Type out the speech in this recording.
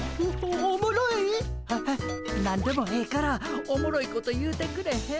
何でもええからおもろいこと言うてくれへん？